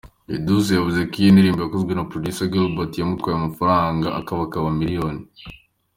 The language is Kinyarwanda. Edouce yavuze ko iyi ndirimbo yakozwe na Producer Gilbert, yamutwaye amafaranga akabakaba miliyoni.